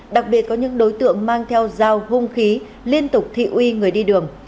đặc biệt có những đối tượng mang theo dao hung khí liên tục thị uy người đi đường